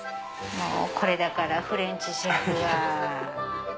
もうこれだからフレンチシェフは。